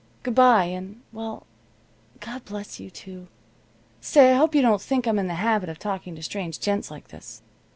Good bye and well God bless you, too. Say, I hope you don't think I'm in the habit of talking to strange gents like this."